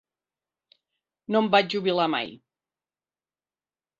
No em vaig jubilar mai.